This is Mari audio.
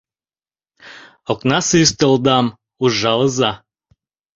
Окнасе ӱстелдам ужалыза!»